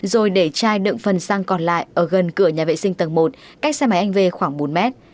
rồi để chai đựng phần xăng còn lại ở gần cửa nhà vệ sinh tầng một cách xe máy anh v khoảng bốn mét